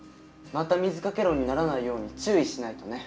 また水掛け論にならないように注意しないとね。